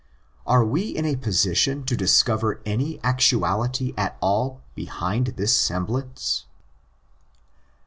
Are we in a position to discover any actuality at all behind this semblance